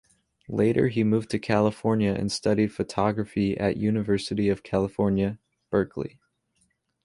Later, he moved to California and studied photography at the University of California, Berkeley.